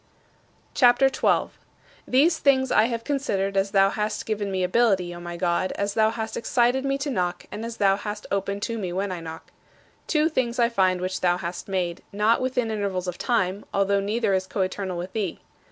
CHAPTER XII 15. These things I have considered as thou hast given me ability, O my God, as thou hast excited me to knock, and as thou hast opened to me when I knock. Two things I find which thou hast made, not within intervals of time, although neither is coeternal with thee.